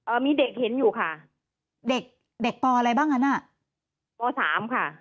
เอ่อมีเด็กเห็นอยู่ค่ะเด็กพออะไรบ้างอันน่ะพอสามค่ะ